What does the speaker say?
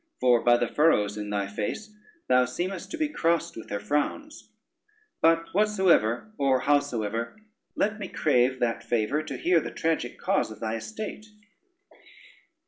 For by the furrows in thy face thou seemest to be crossed with her frowns: but whatsoever, or howsoever, let me crave that favor, to hear the tragic cause of thy estate."